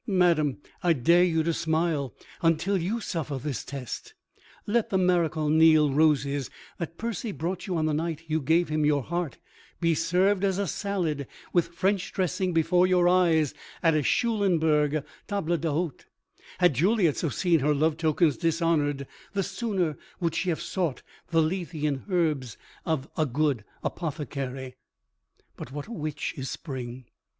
Madam, I dare you to smile until you suffer this test: Let the Marechal Niel roses that Percy brought you on the night you gave him your heart be served as a salad with French dressing before your eyes at a Schulenberg table d'hôte. Had Juliet so seen her love tokens dishonoured the sooner would she have sought the lethean herbs of the good apothecary. But what a witch is Spring!